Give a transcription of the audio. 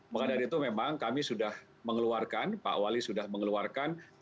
maka dari itu memang kami sudah mengeluarkan pak wali sudah mengeluarkan